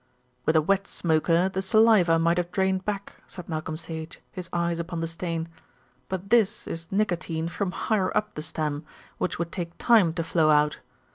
"With a wet smoker the saliva might have drained back," said Malcolm Sage, his eyes upon the stain, "but this is nicotine from higher up the stem, which would take time to flow out.